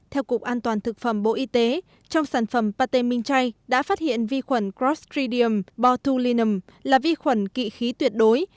theo cục an toàn thực phẩm bộ y tế trong sản phẩm pate minh chai đã phát hiện vi khuẩn clostridium botulinum là vi khuẩn kỵ khí tuyệt đối